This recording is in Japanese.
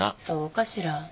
そうかしら。